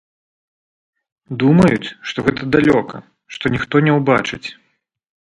Думаюць, што гэта далёка, што ніхто не ўбачыць.